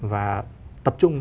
và tập trung